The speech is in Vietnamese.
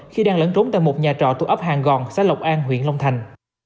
khi đang lẫn trốn tại một nhà trọ thuộc ấp hàng gòn xã lộc an huyện long thành